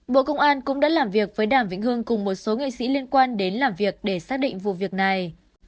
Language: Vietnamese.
bộ công an cũng đã làm việc với đàm vĩnh hưng cùng một số nghệ sĩ liên quan đến làm việc để xác định vụ việc này